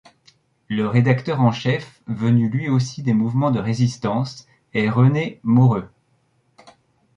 Le rédacteur en chef, venu lui aussi des mouvements de Résistance, est René Moreu.